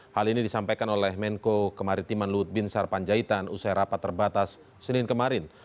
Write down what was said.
hal ini disampaikan oleh menko kemaritiman luhut bin sarpanjaitan usai rapat terbatas senin kemarin